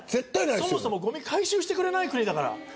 そもそもゴミ回収してくれない国。